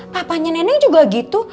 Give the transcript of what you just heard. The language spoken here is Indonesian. papanya nenek juga gitu